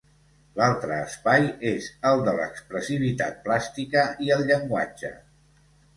L'altre espai és el de l'expressivitat plàstica i el llenguatge.